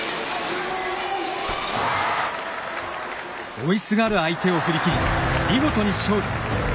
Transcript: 追いすがる相手を振り切り見事に勝利。